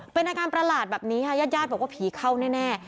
เป็นอาการประหลาดแบบนี้ค่ะญาติญาติบอกว่าผีเข้าแน่